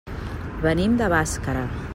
Venim de Bàscara.